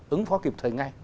ứng phó kịp thời ngay